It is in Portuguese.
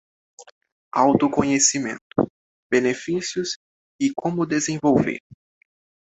Autoconhecimento: benefícios e como desenvolver